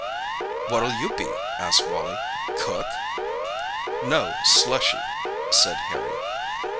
"What'll you be?" asked Wally—"cook?" "No, slushy," said Harry.